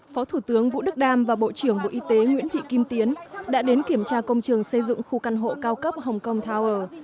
phó thủ tướng vũ đức đam và bộ trưởng bộ y tế nguyễn thị kim tiến đã đến kiểm tra công trường xây dựng khu căn hộ cao cấp hồng kông tower